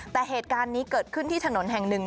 แต่เหตุการณ์นี้เกิดขึ้นที่ถนนแห่งหนึ่ง